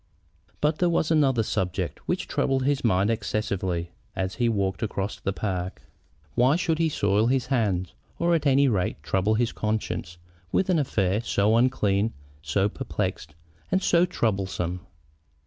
But there was another subject which troubled his mind excessively as he walked across the park. Why should he soil his hands, or, at any rate, trouble his conscience, with an affair so unclean, so perplexed, and so troublesome?